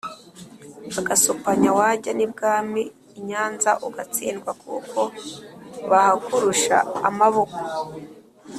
bagasopanya wajya n' i bwami i nyanza ugatsindwa kuko bahakurusha amaboko.